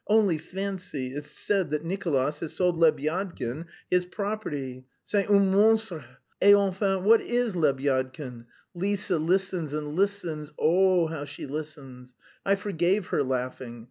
Only fancy, it's said that Nicolas has sold Lebyadkin his property. C'est un monstre; et enfin what is Lebyadkin? Lise listens, and listens, ooh, how she listens! I forgave her laughing.